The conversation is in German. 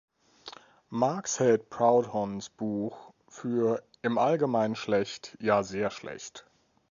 Marx hält Proudhons Buch für "„im allgemeinen schlecht, ja sehr schlecht“".